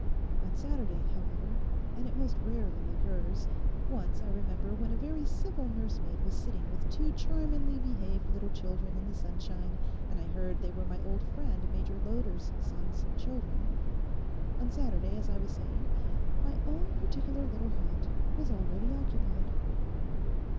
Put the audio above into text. On Saturday, however, and it most rarely occurs—once, I remember, when a very civil nursemaid was sitting with two charmingly behaved little children in the sunshine, and I heard they were my old friend Major Loder's son's children—on Saturday, as I was saying, my own particular little haunt was already occupied.